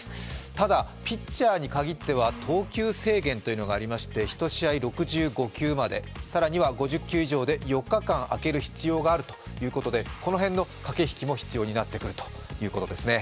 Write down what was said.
ただ、ピッチャーに限っては投球制限というのがありまして、１試合６５球まで、更には５０球以上で４日間あける必要があるということでこの辺の駆け引きも必要になってくるということですね。